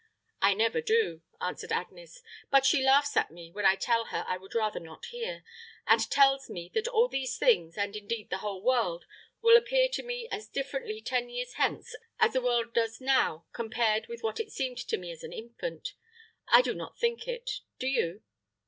"I never do," answered Agnes; "but she laughs at me when I tell her I would rather not hear; and tells me that all these things, and indeed the whole world, will appear to me as differently ten years hence as the world now does compared with what it seemed to me as an infant. I do not think it; do you?"